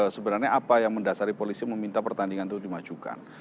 sebenarnya apa yang mendasari polisi meminta pertandingan itu dimajukan